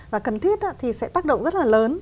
và cần thiết thì sẽ tác động rất là lớn